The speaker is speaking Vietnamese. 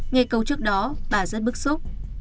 nghe câu trước đó bà rất bức xúc